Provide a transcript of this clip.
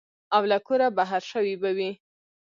او له کوره بهر شوي به وي.